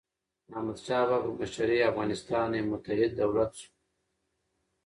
د احمدشاه بابا په مشرۍ افغانستان یو متحد دولت سو.